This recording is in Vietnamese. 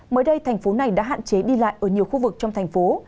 mới đây thành phố này đã hạn chế đi lại ở nhiều khu vực trong thành phố